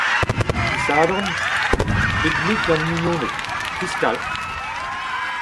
Disadorn piknik gant mignoned, fiskal.